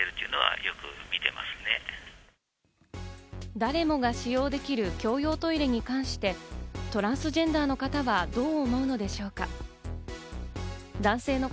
誰もが使用できる共用トイレに関して、トランスジェンダーの方はどう思うのでしょうか？